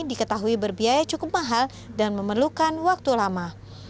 diketahui berbiaya cukup mahal dan memerlukan waktu lama